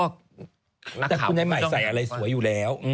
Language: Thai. ใครใส่อะไรสวยอยู่แล้ว